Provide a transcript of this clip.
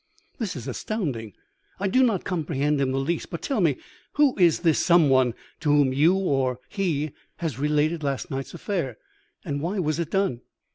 "This is astounding. I do not comprehend in the least; but, tell me, who is this some one to whom you or he has related last night's affair, and why was it done?"